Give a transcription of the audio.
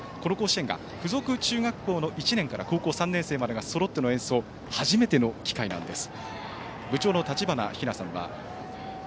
実はこの甲子園が、付属中学校の１年生から３年生までそろっての演奏が初めての機会なんです。